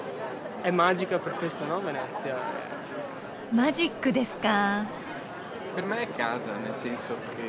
マジックですか。